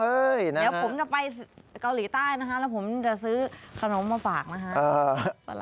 เดี๋ยวผมจะไปเกาหลีใต้นะฮะแล้วผมจะซื้อขนมมาฝากนะฮะ